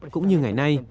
cũng như ngày nay